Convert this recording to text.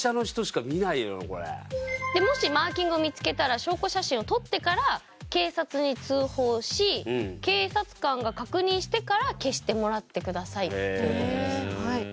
もしマーキングを見つけたら証拠写真を撮ってから警察に通報し警察官が確認してから消してもらってくださいという事です。